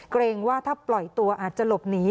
เกรงว่าถ้าปล่อยตัวอาจจะหลบหนี